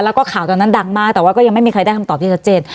แล้วก็ข่าวตอนนั้นดังมากแต่ว่าก็ยังไม่มีใครได้คำตอบที่ชัดเจน